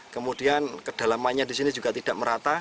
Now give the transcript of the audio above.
kemudian kedalamannya di sini juga tidak merata